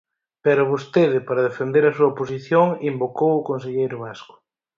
Pero vostede, para defender a súa posición, invocou o conselleiro vasco.